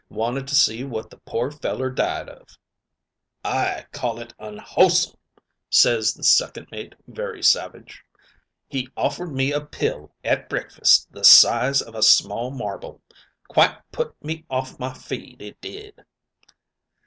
Wanted to see what the poor feller died of.' "'I call it unwholesome,' ses the second mate very savage. 'He offered me a pill at breakfast the size of a small marble; quite put me off my feed, it did.'